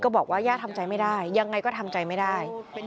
บอกว่าย่าทำใจไม่ได้ยังไงก็ทำใจไม่ได้